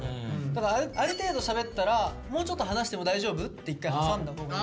だからある程度しゃべったら「もうちょっと話しても大丈夫？」って一回挟んだほうが。